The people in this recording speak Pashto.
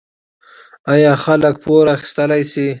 آیا خلک پور اخیستلی شي؟